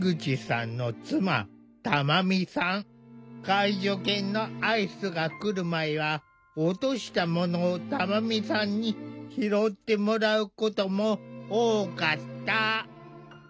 介助犬のアイスが来る前は落としたものを珠美さんに拾ってもらうことも多かった。